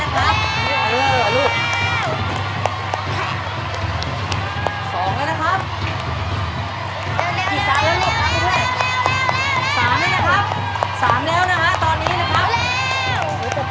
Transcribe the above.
๓แล้วนะครับ๓แล้วนะครับตอนนี้นะครับ